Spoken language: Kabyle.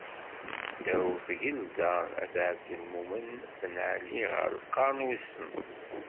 Ddaw tgelda n Ɛebdelmumen Ben Ɛli ɣer lqern wis tnac.